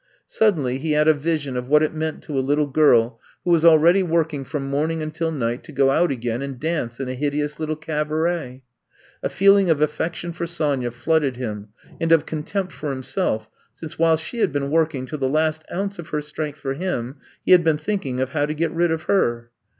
Suddenly he had a vi sioil of what it meant to a little girl who was already working from morning until night to go out again and dance in a hideous little cabaret. A feeling of affection for Sonya flooded him, and of contempt for himself, since while she had been working to the last ounce of her strength for him, he had been thinking of how to get rid of her.